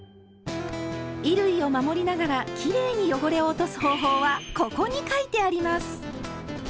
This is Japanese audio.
衣類を守りながらきれいに汚れを落とす方法は「ここ」に書いてあります！